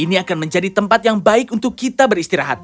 ini akan menjadi tempat yang baik untuk kita beristirahat